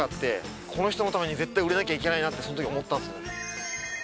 この人のために絶対売れなきゃいけないなってそのとき思ったんす。